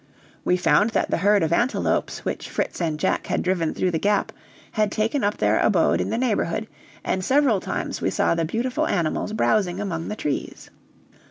We found that the herd of antelopes, which Fritz and Jack had driven through the Gap, had taken up their abode in the neighborhood, and several times we saw the beautiful animals browsing among the trees.